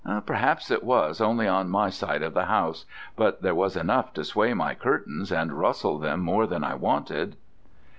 "Perhaps it was only on my side of the house, but there was enough to sway my curtains and rustle them more than I wanted."